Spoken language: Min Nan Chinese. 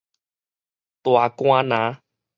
大竿林